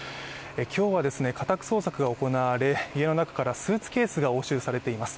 今日は家宅捜索が行われ、家の中からスーツケースが押収されています。